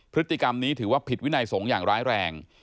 พฤติกรรมนี้ถือว่าผิดวินัยสงฆ์อย่างร้ายแรง